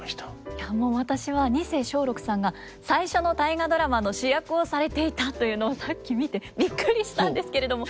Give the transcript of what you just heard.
いやもう私は二世松緑さんが最初の「大河ドラマ」の主役をされていたというのをさっき見てびっくりしたんですけれども。